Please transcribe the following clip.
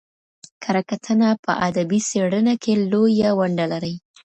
کره کتنه په ادبي څېړنه کي لویه ونډه لري.